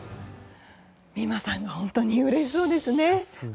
美誠さんが本当にうれしそうですね。